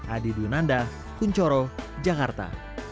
adi dunanda kunchoro jakarta